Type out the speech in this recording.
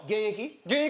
現役？